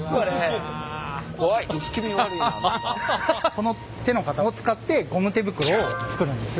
この手の型を使ってゴム手袋を作るんです。